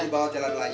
di bawah jalan belanja